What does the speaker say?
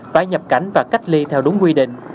phải nhập cảnh và cách ly theo đúng quy định